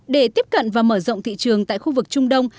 để tiếp cận và mở rộng thị trường tại khu vực trung đông